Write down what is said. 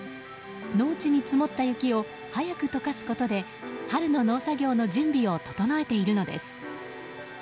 農地に積もった雪を早く解かすことで春の農作業の準備を整えているのです。